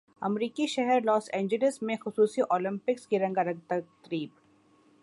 امریکی شہر Los Angeles میں خصوصی اولمپکس کی رنگا رنگ تقریب